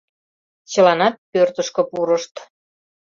Чыланат пӧртышкӧ пурышт.